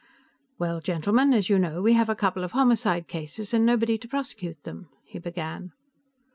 "Well, gentlemen, as you know, we have a couple of homicide cases and nobody to prosecute them," he began.